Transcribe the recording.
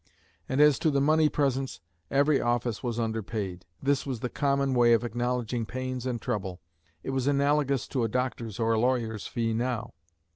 And as to the money presents every office was underpaid; this was the common way of acknowledging pains and trouble: it was analogous to a doctor's or a lawyer's fee now.